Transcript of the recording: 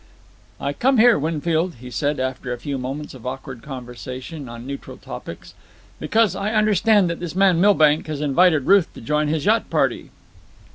"I came here, Winfield," he said, after a few moments of awkward conversation on neutral topics, "because I understand that this man Milbank has invited Ruth to join his yacht party."